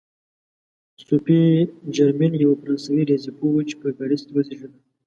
صوفي جرمین یوه فرانسوي ریاضي پوهه وه چې په پاریس کې وزېږېده.